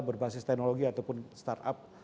berbasis teknologi ataupun start up